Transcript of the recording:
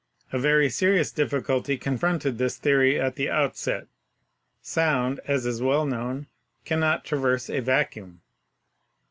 A very serious difficulty confronted this theory at the outset. Sound, as is well known, cannot traverse a vacuum.